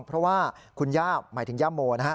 เพราะว่าคุณย่าหมายถึงย่าโมนะฮะ